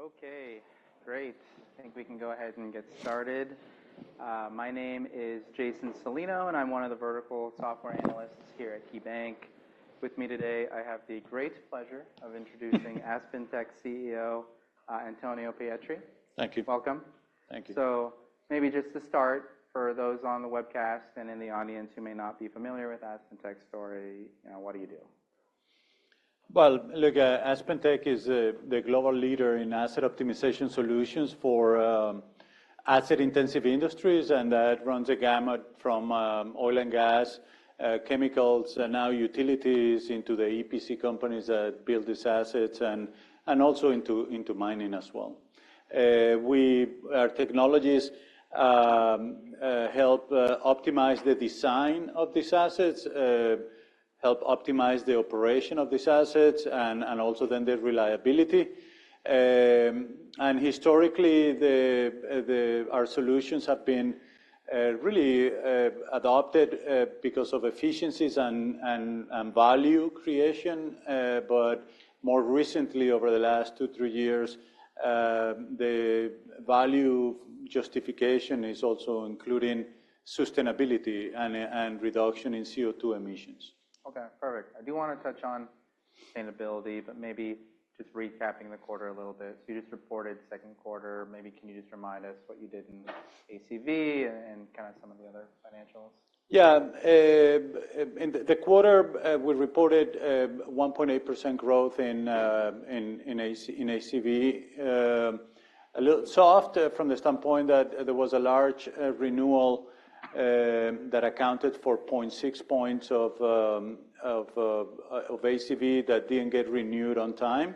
Okay, great. I think we can go ahead and get started. My name is Jason Celino, and I'm one of the vertical software analysts here at KeyBanc. With me today, I have the great pleasure of introducing AspenTech CEO, Antonio Pietri. Thank you. Welcome. Thank you. Maybe just to start, for those on the webcast and in the audience who may not be familiar with AspenTech's story, you know, what do you do? Well, look, AspenTech is the global leader in asset optimization solutions for asset-intensive industries, and that runs the gamut from oil and gas, chemicals, and now utilities into the EPC companies that build these assets and also into mining as well. Our technologies help optimize the design of these assets, help optimize the operation of these assets, and also then their reliability. And historically, our solutions have been really adopted because of efficiencies and value creation, but more recently, over the last 2, 3 years, the value justification is also including sustainability and reduction in CO₂ emissions. Okay, perfect. I do want to touch on sustainability, but maybe just recapping the quarter a little bit. So you just reported second quarter. Maybe can you just remind us what you did in ACV and, and kind of some of the other financials? Yeah, in the quarter, we reported 1.8% growth in ACV. A little soft from the standpoint that there was a large renewal that accounted for 0.6 points of ACV that didn't get renewed on time.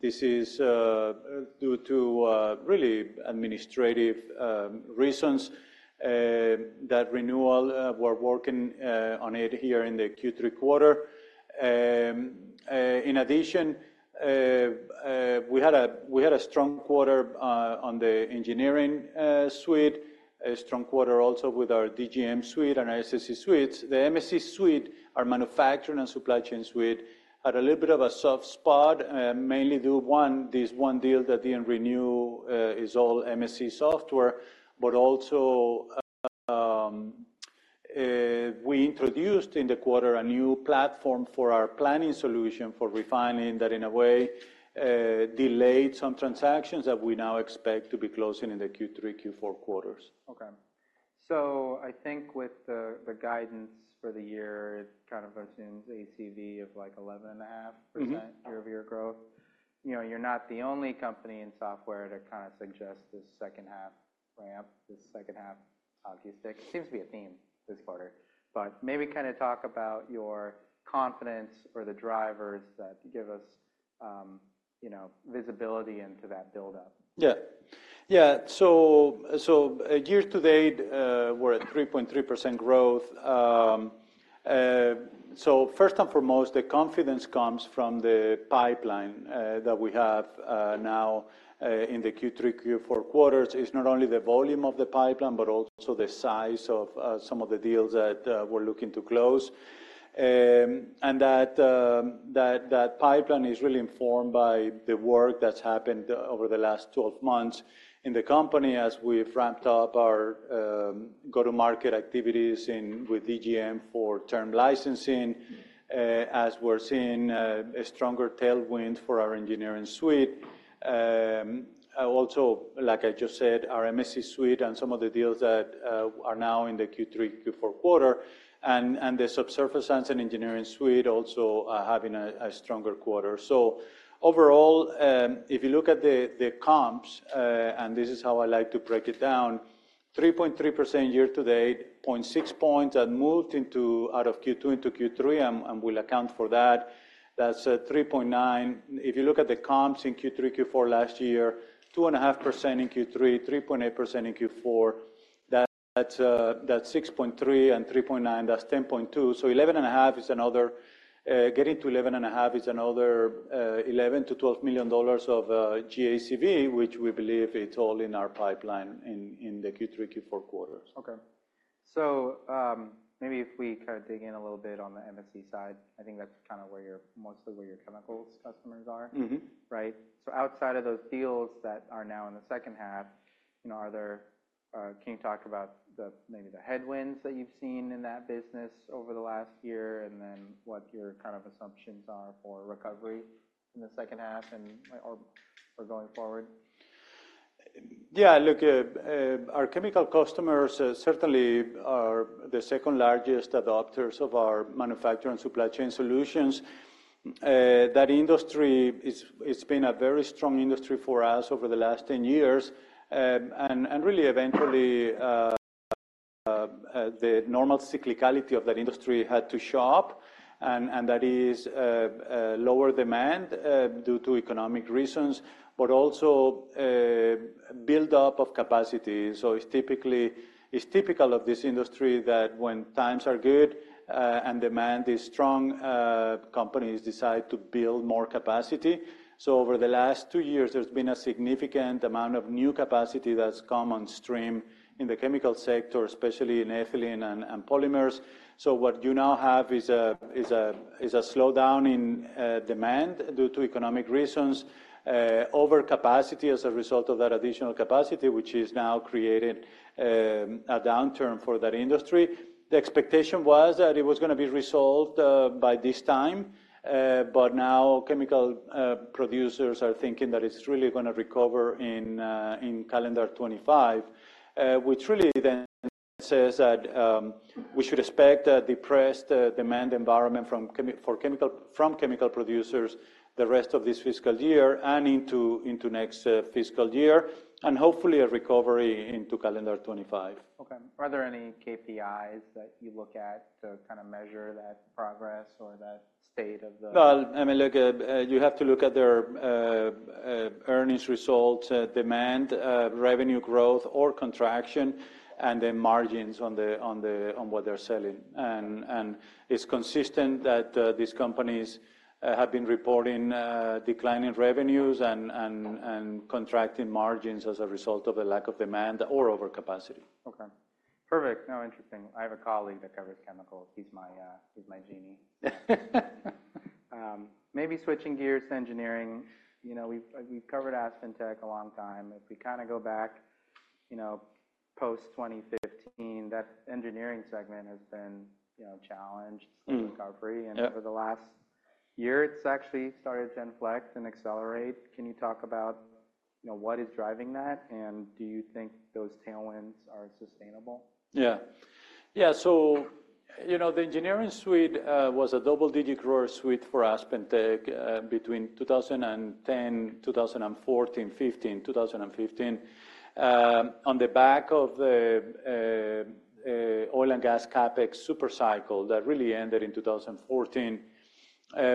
This is due to really administrative reasons, that renewal, we're working on it here in the Q3 quarter. In addition, we had a strong quarter on the Engineering suite, a strong quarter also with our DGM suite and our SSE suites. The MSC suite, our Manufacturing and Supply Chain suite, had a little bit of a soft spot, mainly due one, this one deal that didn't renew, is all MSC software, but also, we introduced in the quarter a new platform for our planning solution for refining that, in a way, delayed some transactions that we now expect to be closing in the Q3, Q4 quarters. Okay. So I think with the guidance for the year, it kind of assumes ACV of, like, 11.5%. Mm-hmm. Year-over-year growth. You know, you're not the only company in software to kind of suggest this second-half ramp, this second-half hockey stick. It seems to be a theme this quarter, but maybe kind of talk about your confidence or the drivers that give us, you know, visibility into that buildup? Yeah. Yeah. So, so year to date, we're at 3.3% growth. So first and foremost, the confidence comes from the pipeline that we have now in the Q3, Q4 quarters. It's not only the volume of the pipeline, but also the size of some of the deals that we're looking to close. And that pipeline is really informed by the work that's happened over the last 12 months in the company as we've ramped up our go-to-market activities in, with DGM for term licensing, as we're seeing a stronger tailwind for our Engineering suite. Also, like I just said, our MSC suite and some of the deals that are now in the Q3, Q4 quarter, and the Subsurface Science and Engineering suite also having a stronger quarter. So overall, if you look at the comps, and this is how I like to break it down, 3.3% year to date, 0.6 points that moved into out of Q2 into Q3, and we'll account for that. That's 3.9. If you look at the comps in Q3, Q4 last year, 2.5% in Q3, 3.8% in Q4, that's 6.3 and 3.9, that's 10.2. 11.5 is another, getting to 11.5 is another $11 million-$12 million of GACV, which we believe is all in our pipeline in the Q3, Q4 quarters. Okay. So, maybe if we kind of dig in a little bit on the MSC side, I think that's kind of where your, mostly where your chemicals customers are. Mm-hmm. Right? So outside of those deals that are now in the second half, you know, are there, can you talk about the, maybe the headwinds that you've seen in that business over the last year, and then what your kind of assumptions are for recovery in the second half and/or, or going forward? Yeah, look, our chemical customers certainly are the second largest adopters of our manufacturing supply chain solutions. That industry—it's been a very strong industry for us over the last 10 years, and really eventually, the normal cyclicality of that industry had to show up, and that is lower demand due to economic reasons, but also buildup of capacity. So it's typical of this industry that when times are good, and demand is strong, companies decide to build more capacity. So over the last 2 years, there's been a significant amount of new capacity that's come on stream in the chemical sector, especially in ethylene and polymers. So what you now have is a, is a Slowdown in demand due to economic reasons, overcapacity as a result of that additional capacity, which is now creating a downturn for that industry. The expectation was that it was gonna be resolved by this time, but now chemical producers are thinking that it's really gonna recover in calendar 2025. Which really then says that we should expect a depressed demand environment from chemical producers the rest of this fiscal year and into next fiscal year, and hopefully a recovery into calendar 2025. Okay. Are there any KPIs that you look at to kind of measure that progress or that state of the Well, I mean, look, you have to look at their earnings results, demand, revenue growth or contraction, and the margins on the, on what they're selling. And it's consistent that these companies have been reporting declining revenues and contracting margins as a result of a lack of demand or overcapacity. Okay, perfect. No, interesting. I have a colleague that covers chemicals. He's my, he's my genie. Maybe switching gears to engineering. You know, we've covered AspenTech a long time. If we kind of go back, you know, post-2015, that engineering segment has been, you know, challenged Mm. slow to recovery. Yep. Over the last year, it's actually started to inflect and accelerate. Can you talk about, you know, what is driving that, and do you think those tailwinds are sustainable? Yeah. Yeah, so you know, the Engineering suite was a double-digit grower suite for AspenTech between 2010, 2014, 2015, 2015. On the back of the oil and gas CapEx super cycle that really ended in 2014,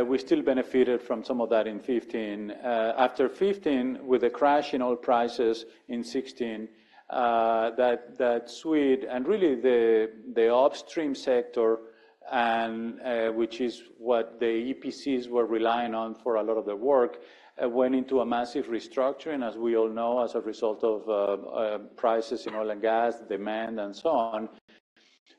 we still benefited from some of that in 2015. After 2015, with a crash in oil prices in 2016, that suite and really the upstream sector and which is what the EPCs were relying on for a lot of their work went into a massive restructuring, as we all know, as a result of prices in oil and gas, demand, and so on.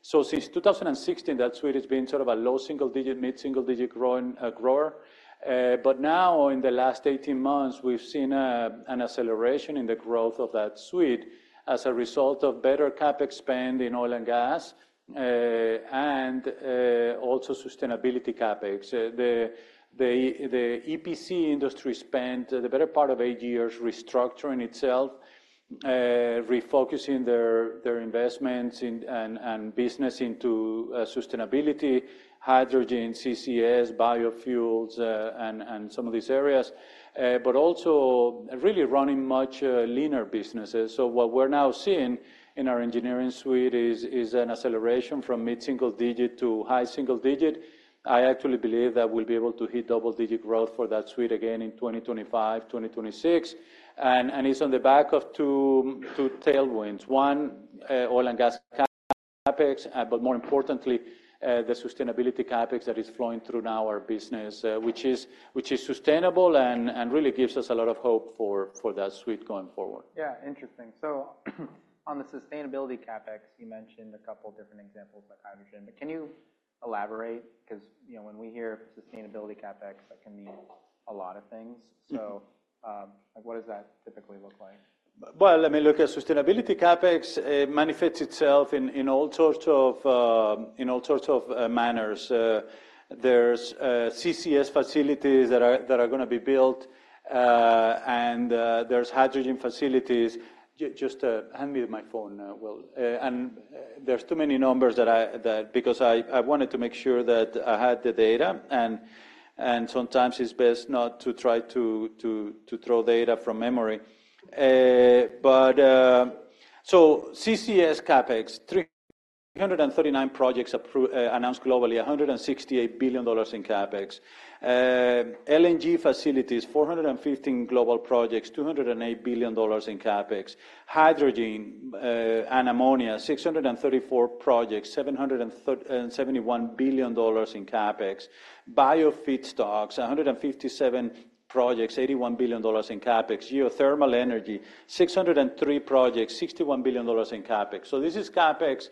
So since 2016, that suite has been sort of a low single digit, mid-single digit growing grower. But now in the last 18 months, we've seen an acceleration in the growth of that suite as a result of better CapEx spend in oil and gas, and also sustainability CapEx. The EPC industry spent the better part of 8 years restructuring itself, refocusing their investments in, and business into, sustainability, hydrogen, CCS, biofuels, and some of these areas, but also really running much leaner businesses. So what we're now seeing in our Engineering suite is an acceleration from mid-single digit to high single digit. I actually believe that we'll be able to hit double-digit growth for that suite again in 2025, 2026, and it's on the back of 2 tailwinds. One, oil and gas CapEx, but more importantly, the sustainability CapEx that is flowing through now our business, which is sustainable and really gives us a lot of hope for that suite going forward. Yeah, interesting. So on the sustainability CapEx, you mentioned a couple different examples like hydrogen, but can you elaborate? Because, you know, when we hear sustainability CapEx, that can mean a lot of things. Mm. So, what does that typically look like? Well, I mean, look, sustainability CapEx manifests itself in all sorts of manners. There's CCS facilities that are gonna be built, and there's hydrogen facilities. Just hand me my phone, Will. And there's too many numbers that because I wanted to make sure that I had the data, and sometimes it's best not to try to throw data from memory. But so CCS CapEx, 339 projects announced globally, $168 billion in CapEx. LNG facilities, 415 global projects, $208 billion in CapEx. Hydrogen and ammonia, 634 projects, $771 billion in CapEx. Biofeedstocks, 157 projects, $81 billion in CapEx. Geothermal energy, 603 projects, $61 billion in CapEx. So this is CapEx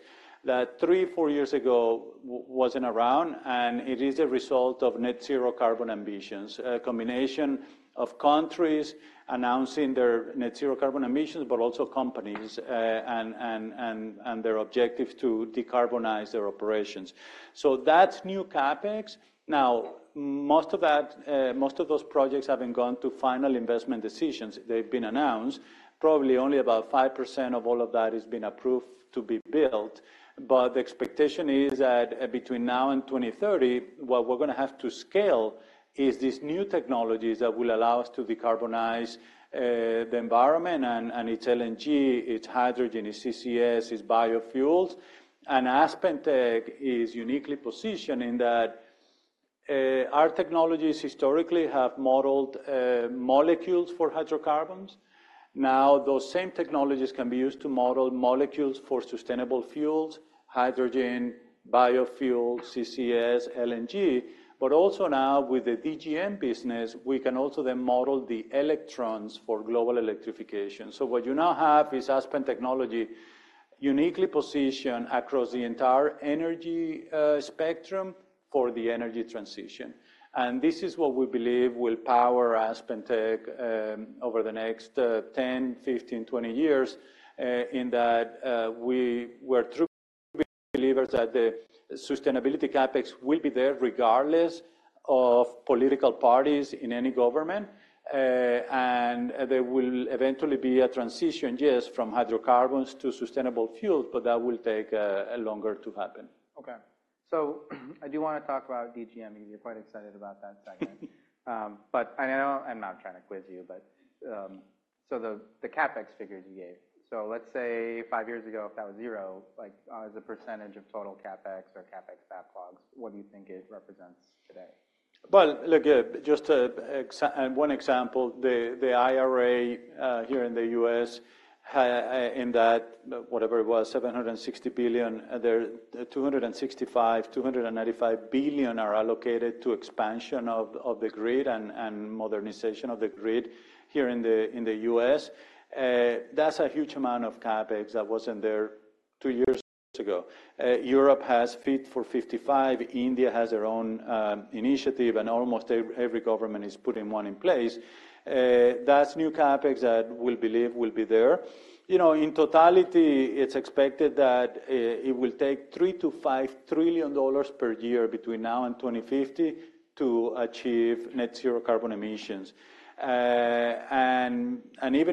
that 3 or 4 years ago wasn't around, and it is a result of Net Zero carbon ambitions. A combination of countries announcing their Net Zero carbon emissions, but also companies and their objective to decarbonize their operations. So that's new CapEx. Now, most of that, most of those projects haven't gone to final investment decisions. They've been announced. Probably only about 5% of all of that has been approved to be built, but the expectation is that between now and 2030, what we're gonna have to scale is these new technologies that will allow us to decarbonize the environment, and it's LNG, it's hydrogen, it's CCS, it's biofuels. AspenTech is uniquely positioned in that, our technologies historically have modeled molecules for hydrocarbons. Now, those same technologies can be used to model molecules for sustainable fuels, hydrogen, biofuels, CCS, LNG, but also now with the DGM business, we can also then model the electrons for global electrification. So what you now have is AspenTech uniquely positioned across the entire energy spectrum for the energy transition. And this is what we believe will power AspenTech over the next 10, 15, 20 years, in that we were true believers that the sustainability CapEx will be there regardless of political parties in any government. And there will eventually be a transition, yes, from hydrocarbons to sustainable fuels, but that will take longer to happen. Okay. So I do want to talk about DGM, because you're quite excited about that segment. But I know—I'm not trying to quiz you, but so the CapEx figures you gave. So let's say five years ago, if that was zero, like, as a percentage of total CapEx or CapEx backlogs, what do you think it represents today? Well, look, just to, one example, the, the IRA, here in the U.S., in that whatever it was, $760 billion, there, $265 billion-$295 billion are allocated to expansion of, of the grid and, and modernization of the grid here in the, in the U.S. That's a huge amount of CapEx that wasn't there two years ago. Europe has Fit for 55, India has their own, initiative, and almost every government is putting one in place. That's new CapEx that we believe will be there. You know, in totality, it's expected that, it will take $3 trillion-$5 trillion per year between now and 2050 to achieve net zero carbon emissions. Even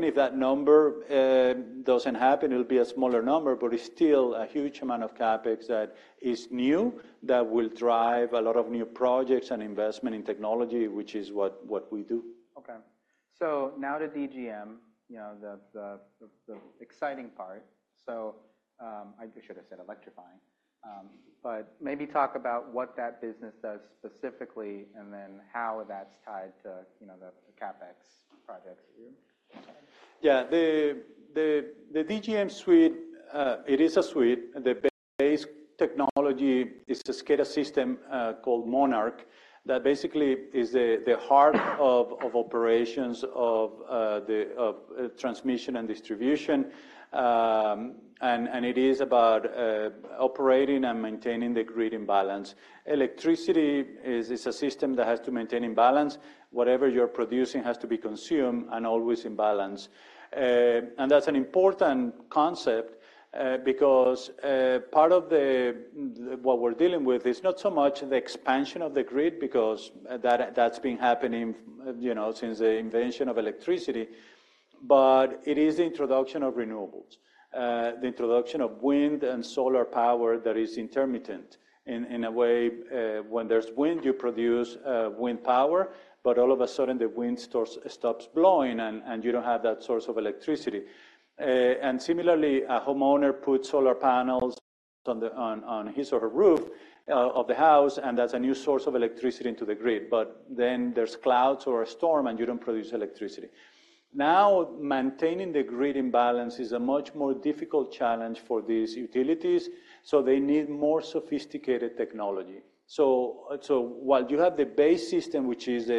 if that number doesn't happen, it'll be a smaller number, but it's still a huge amount of CapEx that is new, that will drive a lot of new projects and investment in technology, which is what we do. Okay. So now to DGM, you know, the exciting part. So, I should have said electrifying. But maybe talk about what that business does specifically, and then how that's tied to, you know, the CapEx projects you. Yeah. The DGM suite, it is a suite. The base technology is a SCADA system called Monarch. That basically is the heart of operations of transmission and distribution. And it is about operating and maintaining the grid imbalance. Electricity is a system that has to maintain imbalance. Whatever you're producing has to be consumed and always in balance. And that's an important concept, because part of what we're dealing with is not so much the expansion of the grid, because that's been happening, you know, since the invention of electricity, but it is the introduction of renewables. The introduction of wind and solar power that is intermittent in a way, when there's wind, you produce wind power, but all of a sudden, the wind stops blowing and you don't have that source of electricity. And similarly, a homeowner puts solar panels on his or her roof of the house, and that's a new source of electricity into the grid, but then there's clouds or a storm, and you don't produce electricity. Now, maintaining the grid imbalance is a much more difficult challenge for these utilities, so they need more sophisticated technology. So while you have the base system, which is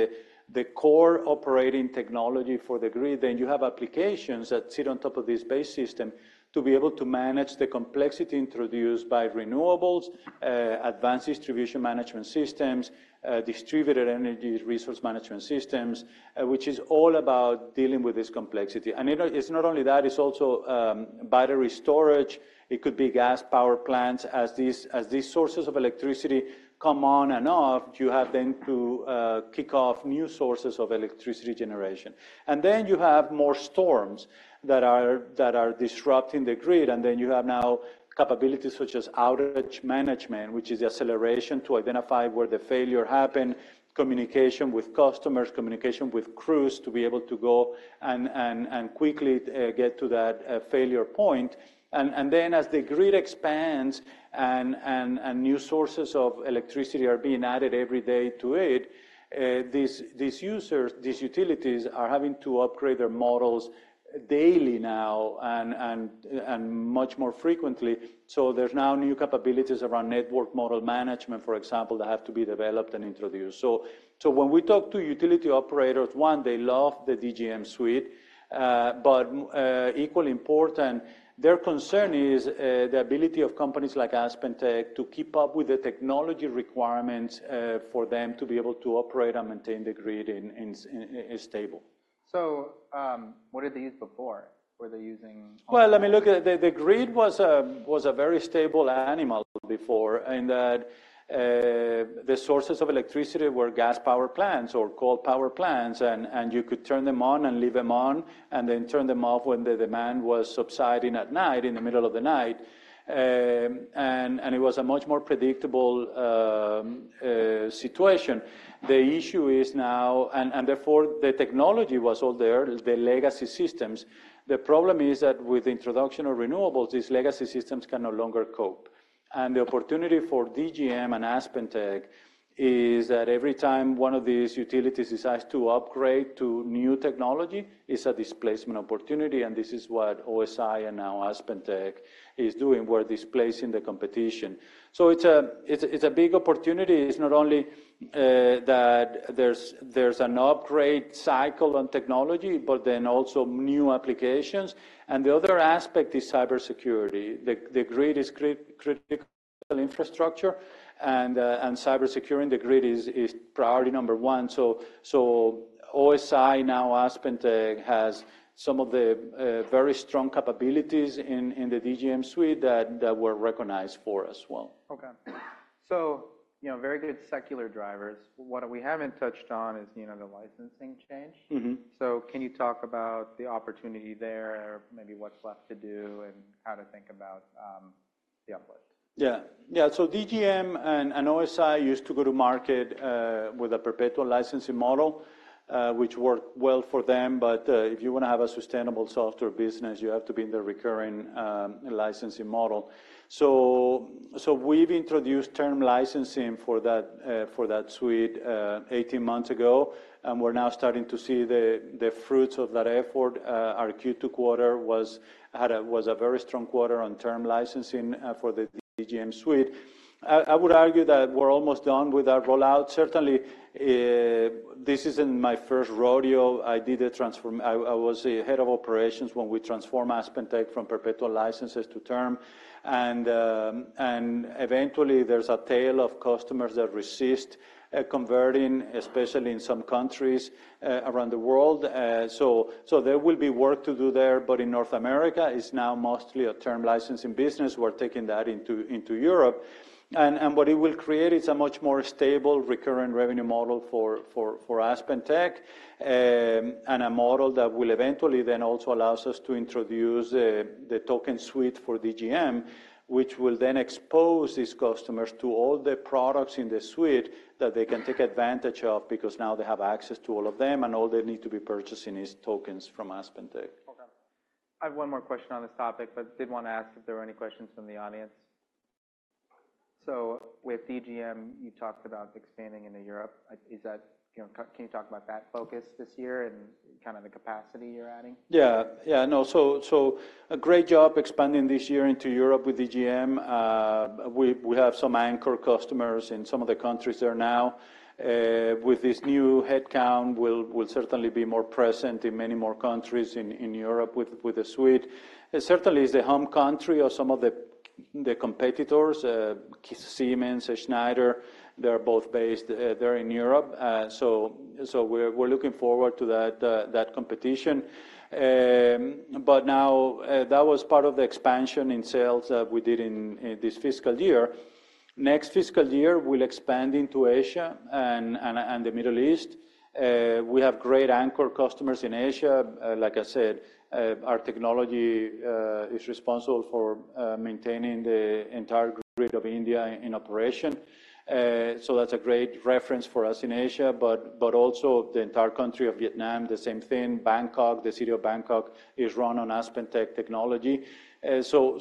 the core operating technology for the grid, then you have applications that sit on top of this base system to be able to manage the complexity introduced by renewables, advanced distribution management systems, distributed energy resource management systems, which is all about dealing with this complexity. And it's not only that, it's also battery storage. It could be gas power plants. As these sources of electricity come on and off, you have then to kick off new sources of electricity generation. And then you have more storms that are disrupting the grid, and then you have now capabilities such as outage management, which is the acceleration to identify where the failure happened, communication with customers, communication with crews to be able to go and quickly get to that failure point. And then as the grid expands and new sources of electricity are being added every day to it, these users, these utilities are having to upgrade their models daily now and much more frequently. So there's now new capabilities around network model management, for example, that have to be developed and introduced. When we talk to utility operators, one, they love the DGM suite, but equally important, their concern is the ability of companies like AspenTech to keep up with the technology requirements for them to be able to operate and maintain the grid and it's stable. So, what did they use before? Were they using Well, I mean, look, the grid was a very stable animal before, in that, the sources of electricity were gas power plants or coal power plants, and you could turn them on and leave them on, and then turn them off when the demand was subsiding at night, in the middle of the night. And it was a much more predictable situation. The issue is now, and therefore, the technology was all there, the legacy systems. The problem is that with the introduction of renewables, these legacy systems can no longer cope. And the opportunity for DGM and AspenTech is that every time one of these utilities decides to upgrade to new technology, it's a displacement opportunity, and this is what OSI and now AspenTech is doing, we're displacing the competition. So it's a big opportunity. It's not only that there's an upgrade cycle on technology, but then also new applications. The other aspect is cybersecurity. The grid is critical infrastructure and cyber securing the grid is priority number one. So OSI, now AspenTech, has some of the very strong capabilities in the DGM suite that were recognized for us well. Okay. So, you know, very good secular drivers. What we haven't touched on is, you know, the licensing change. Mm-hmm. Can you talk about the opportunity there, maybe what's left to do, and how to think about the uplift? Yeah. Yeah, so DGM and OSI used to go to market with a perpetual licensing model, which worked well for them. But if you want to have a sustainable software business, you have to be in the recurring licensing model. So we've introduced term licensing for that suite 18 months ago, and we're now starting to see the fruits of that effort. Our Q2 quarter was a very strong quarter on term licensing for the DGM suite. I would argue that we're almost done with our rollout. Certainly, this isn't my first rodeo. I was the head of operations when we transformed AspenTech from perpetual licenses to term. And eventually, there's a tail of customers that resist converting, especially in some countries around the world. So there will be work to do there, but in North America, it's now mostly a term licensing business. We're taking that into Europe. And what it will create is a much more stable, recurring revenue model for AspenTech, and a model that will eventually then also allows us to introduce the Token suite for DGM, which will then expose these customers to all the products in the suite that they can take advantage of because now they have access to all of them, and all they need to be purchasing is tokens from AspenTech. Okay. I have one more question on this topic, but did want to ask if there were any questions from the audience. So with DGM, you talked about expanding into Europe. Is that, you know, can you talk about that focus this year and kind of the capacity you're adding? Yeah. Yeah, no, so, so a great job expanding this year into Europe with DGM. We have some anchor customers in some of the countries there now. With this new headcount, we'll certainly be more present in many more countries in Europe with the suite. It certainly is the home country of some of the competitors, Siemens, Schneider, they're both based there in Europe. So we're looking forward to that competition. But now, that was part of the expansion in sales that we did in this fiscal year. Next fiscal year, we'll expand into Asia and the Middle East. We have great anchor customers in Asia. Like I said, our technology is responsible for maintaining the entire grid of India in operation. So that's a great reference for us in Asia, but also the entire country of Vietnam, the same thing. Bangkok, the city of Bangkok, is run on AspenTech technology. So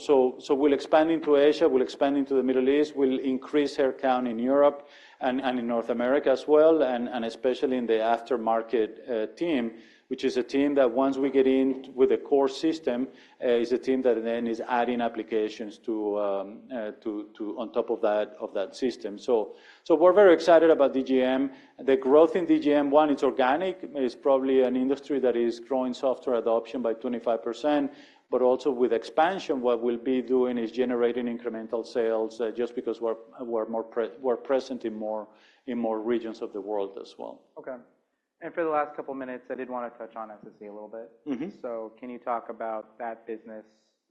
we'll expand into Asia, we'll expand into the Middle East, we'll increase our count in Europe and in North America as well, and especially in the aftermarket team, which is a team that once we get in with a core system is a team that then is adding applications to on top of that system. So we're very excited about DGM. The growth in DGM, one, it's organic. It's probably an industry that is growing software adoption by 25%, but also with expansion, what we'll be doing is generating incremental sales, just because we're present in more regions of the world as well. Okay. For the last couple minutes, I did want to touch on SSE a little bit. Mm-hmm. So can you talk about that business,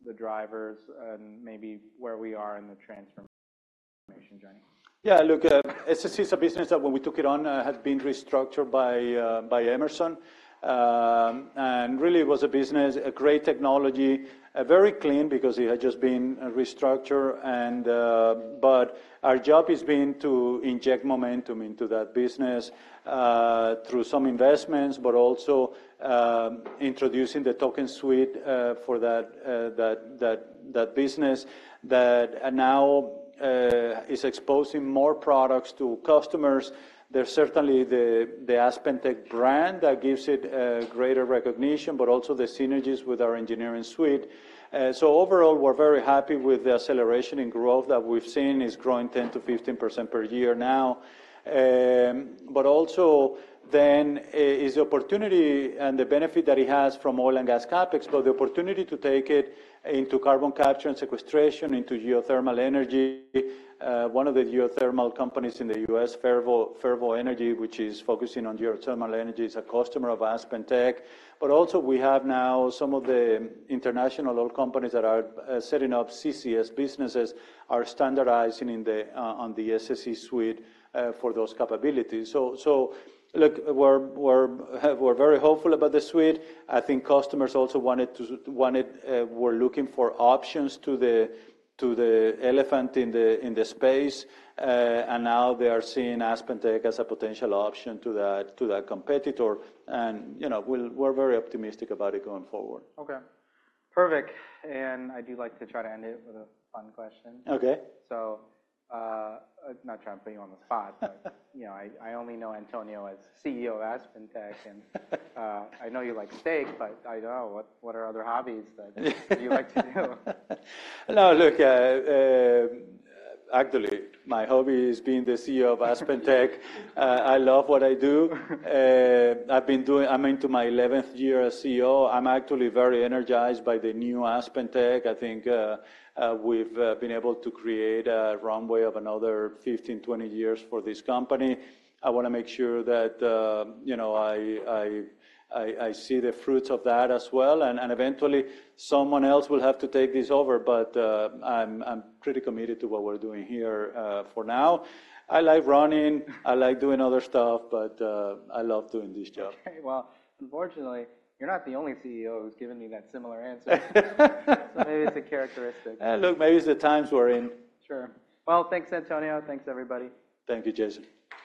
the drivers, and maybe where we are in the transformation journey? Yeah, look, SSE is a business that, when we took it on, had been restructured by, by Emerson. And really, it was a business, a great technology, very clean because it had just been restructured and, but our job has been to inject momentum into that business, through some investments, but also, introducing the Token suite, for that, that, that, that business that now, is exposing more products to customers. There's certainly the, the AspenTech brand that gives it, greater recognition, but also the synergies with our Engineering suite. So overall, we're very happy with the acceleration in growth that we've seen. It's growing 10%-15% per year now. But also then is the opportunity and the benefit that it has from oil and gas CapEx, but the opportunity to take it into carbon capture and sequestration, into geothermal energy. One of the geothermal companies in the U.S., Fervo Energy, which is focusing on geothermal energy, is a customer of AspenTech. But also we have now some of the international oil companies that are setting up CCS businesses are standardizing on the SSE suite for those capabilities. So, look, we're very hopeful about the suite. I think customers also wanted to, were looking for options to the elephant in the space, and now they are seeing AspenTech as a potential option to that competitor. And, you know, we're very optimistic about it going forward. Okay, perfect. I do like to try to end it with a fun question. Okay. So, I'm not trying to put you on the spot, but, you know, I only know Antonio as CEO of AspenTech, and I know you like steak, but I don't know what other hobbies you like to do? No, look, actually, my hobby is being the CEO of AspenTech. I love what I do. I'm into my eleventh year as CEO. I'm actually very energized by the new AspenTech. I think, we've been able to create a runway of another 15-20 years for this company. I wanna make sure that, you know, I see the fruits of that as well, and eventually, someone else will have to take this over. But, I'm pretty committed to what we're doing here, for now. I like running, I like doing other stuff, but, I love doing this job. Okay, well, unfortunately, you're not the only CEO who's given me that similar answer. So maybe it's a characteristic. Look, maybe it's the times we're in. Sure. Well, thanks, Antonio. Thanks, everybody. Thank you, Jason.